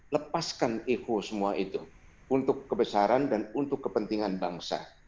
lepaskan eko semua itu untuk kebesaran dan untuk kepentingan bangsa